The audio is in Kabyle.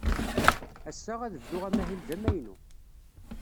Ass-a, ad bduɣ amahil d amaynu.